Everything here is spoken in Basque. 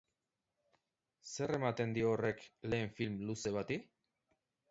Zer ematen dio horrek lehen film luze bati?